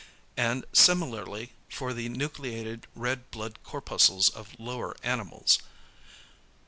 And similarly for the nucleated red blood corpuscles of lower animals.